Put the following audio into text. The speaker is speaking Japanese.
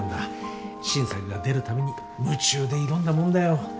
新作が出るたびに夢中で挑んだもんだよ。